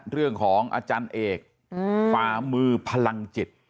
เรื่องของอาจารย์เอกฟ้ามือพลังจิต